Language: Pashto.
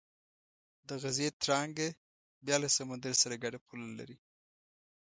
د غزې تړانګه بیا له سمندر سره ګډه پوله لري.